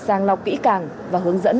sang lọc kỹ càng và hướng dẫn